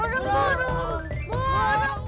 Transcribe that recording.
burung burung burung